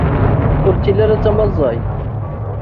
Ur ttili ara d tamaẓayt.